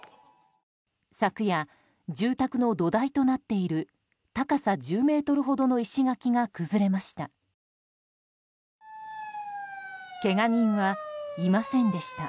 昨夜、住宅の土台となっている高さ１０ｍほどの石垣が崩れました。